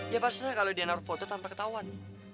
ya pastinya kalau dia naruh foto tanpa ketahuan